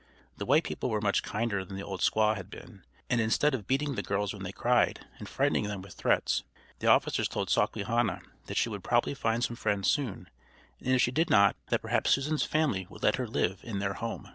The white people were much kinder than the old squaw had been, and instead of beating the girls when they cried, and frightening them with threats, the officers told Sawquehanna that she would probably find some friends soon, and if she did not, that perhaps Susan's family would let her live in their home.